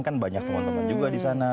kan banyak teman teman juga di sana